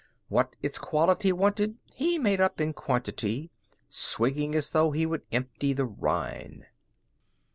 What its quality wanted he made up in quantity, Swigging as though he would empty the Rhine!